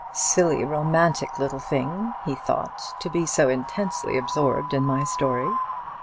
"Silly romantic little thing," he thought, "to be so intensely absorbed in my story."